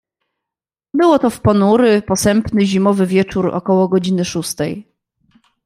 "Było to w ponury, posępny zimowy wieczór około godziny szóstej."